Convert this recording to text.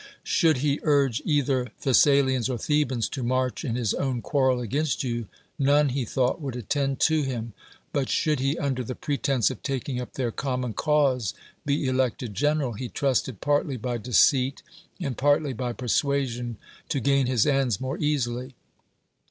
Should he urge either Thcs salians or Thebans to march in his own quarrel against you, none, he thought, would attend lo him : but should he, under the pretense of taking up their common cause, be elected general, he tinisted partly by deceit and partly by persuj; sion to gain his ends more easily.